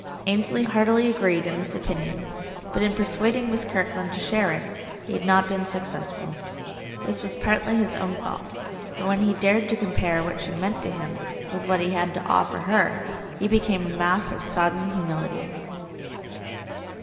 Ainsley heartily agreed in this opinion, but in persuading Miss Kirkland to share it he had not been successful. This was partly his own fault; for when he dared to compare what she meant to him with what he had to offer her he became a mass of sodden humility.